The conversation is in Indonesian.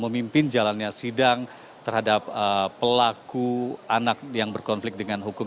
memimpin jalannya sidang terhadap pelaku anak yang berkonflik dengan hukum